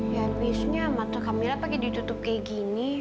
ya biasanya amat kamila pakai ditutup kayak gini